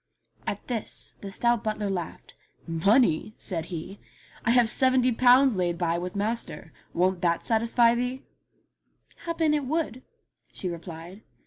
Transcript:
At this the stout butler laughed. "Money?" said he, "I have seventy pounds laid by with master. Won't that satisfy thee ?" "Happen it would," she replied.